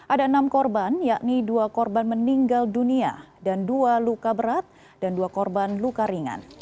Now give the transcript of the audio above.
ada enam korban yakni dua korban meninggal dunia dan dua luka berat dan dua korban luka ringan